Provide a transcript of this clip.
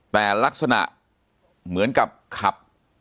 แต่ลักษณะเหมือนกับขับ